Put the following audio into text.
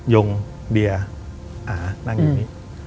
ยงเดียอานั่งอย่างนี้